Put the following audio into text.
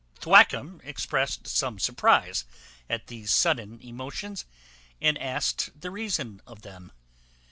Thwackum expressed some surprize at these sudden emotions, and asked the reason of them.